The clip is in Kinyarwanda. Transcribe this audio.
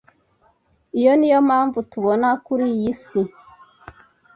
iyi niyo mpamvu tubona kuri iyi si